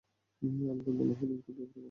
আমার মনে হয় রিংকুর ব্যাপারে বলে দেয়া উচিত ওকে।